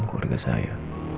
dalam keluarga saya